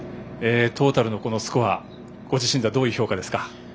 トータルのスコアご自身ではどういう評価ですか。